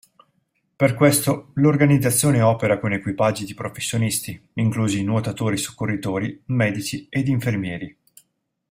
Per questo l'organizzazione opera con equipaggi di professionisti, inclusi nuotatori soccorritori, medici ed infermieri.